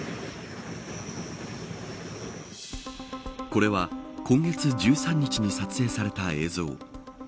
これは今月１３日に撮影された映像。